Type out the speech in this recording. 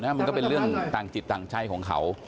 มันก็เป็นเรื่องต่างจิตต่างใจของเขา